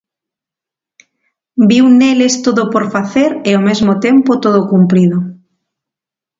Viu neles todo por facer e ao mesmo tempo todo cumprido: